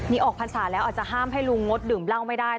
นี่ออกพรรษาแล้วอาจจะห้ามให้ลุงงดดื่มเหล้าไม่ได้